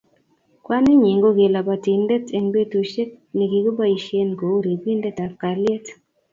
kwaninyi koki labatitendet eng betushek nikiboishei kou ripindet ab kalyet